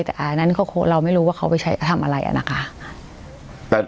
แต่อันนั้นเราไม่รู้ว่าเขาไปใช้ทำอะไรอะนะคะ